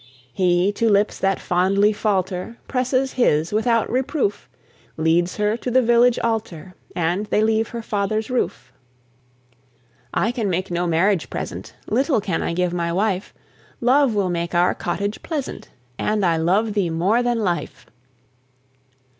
He to lips, that fondly falter, Presses his without reproof; Leads her to the village altar, And they leave her father's roof. "I can make no marriage present; Little can I give my wife. Love will make our cottage pleasant, And I love thee more than life."